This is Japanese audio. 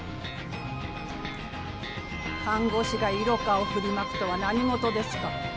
看護師が色香を振りまくとは何事ですか。